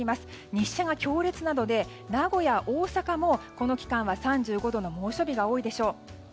日射が強烈なので名古屋、大阪もこの期間は３５度の猛暑日が多いでしょう。